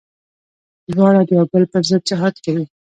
دواړه د يو بل پر ضد جهاد کوي.